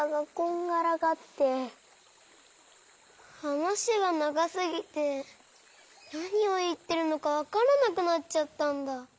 はなしがながすぎてなにをいってるのかわからなくなっちゃったんだ。